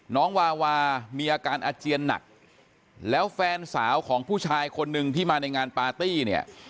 วาวามีอาการอาเจียนหนักแล้วแฟนสาวของผู้ชายคนหนึ่งที่มาในงานปาร์ตี้เนี่ย